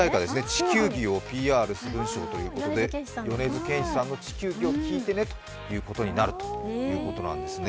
「地球儀」をＰＲするとのことで米津玄師さんの「地球儀」を聴いてねということになるんですね。